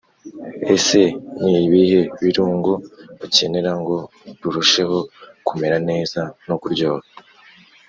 ese ni ibihe birungo ukenera ngo rurusheho kumera neza no kuryoha?